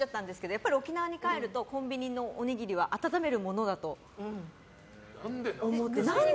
やっぱり沖縄に帰るとコンビニのおにぎりは温めるものだと思って。